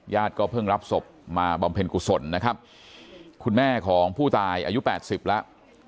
ญาติก็เพิ่งรับศพมาบอมเพลินกุศลนะครับคุณแม่ของผู้ตายอายุ๘๐แล้ว